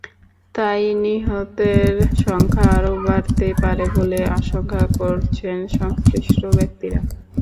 তাই নিহতের সংখ্যা আরও বাড়তে পারে বলে আশঙ্কা করছেন সংশ্লিষ্ট ব্যক্তিরা।